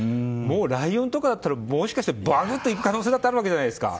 ライオンとかだったらバクッと行く可能性だってあるわけじゃないですか。